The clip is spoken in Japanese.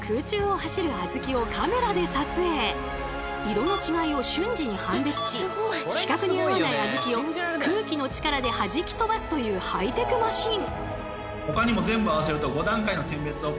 色の違いを瞬時に判別し規格に合わないあずきを空気の力ではじき飛ばすというハイテクマシン！